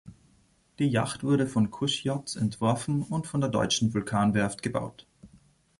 Die Yacht wurde von Kusch Yachts entworfen und von der deutschen Vulkan-Werft gebaut.